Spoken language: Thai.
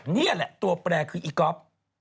นี่แหละตัวแปรคืออีก๊อฟ